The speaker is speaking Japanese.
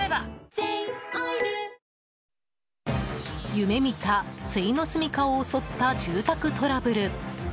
夢見た、終のすみかを襲った住宅トラブル。